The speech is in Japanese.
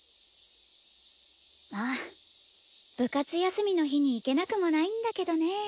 まあ部活休みの日に行けなくもないんだけどね。